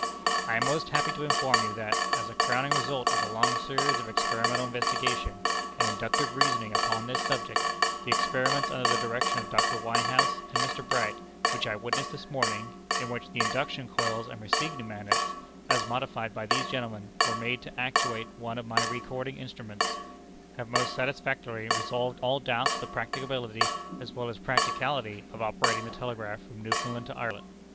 "I am most happy to inform you that, as a crowning result of a long series of experimental investigation and inductive reasoning upon this subject, the experiments under the direction of Dr. Whitehouse and Mr. Bright, which I witnessed this morning in which the induction coils and receiving magnets, as modified by these gentlemen, were made to actuate one of my recording instruments have most satisfactorily resolved all doubts of the practicability as well as practicality of operating the telegraph from Newfoundland to Ireland.